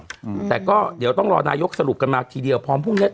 อืมแต่ก็เดี๋ยวต้องรอนายกสรุปกันมาทีเดียวพร้อมพรุ่งเนี้ย